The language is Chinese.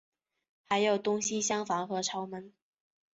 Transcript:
还有东西厢房和朝门。